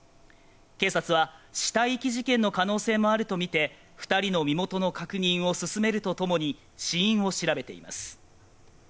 警察は死体遺棄事件の可能性もあるとみて二人の身元の確認を進めるとともに死因を調べています